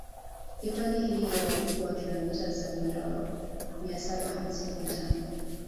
Hifadhi hii ina ukubwa wa kilomita za mraba mia saba hamsini na tano